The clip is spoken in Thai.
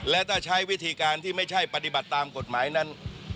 และถ้าใช้วิธีการที่ไม่ใช่ปฏิบัติตามกฎหมายนั้น